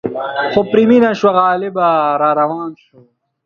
خو پرې مینه شوه غالبه را روان شو.